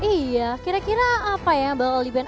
iya kira kira apa ya bang ali ban